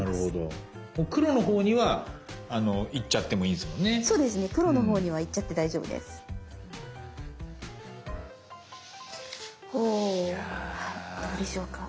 はいどうでしょうか。